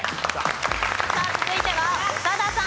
さあ続いては長田さん